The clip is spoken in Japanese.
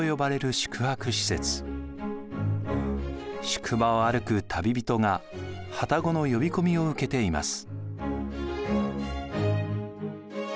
宿場を歩く旅人が旅籠の呼び込みを受けています。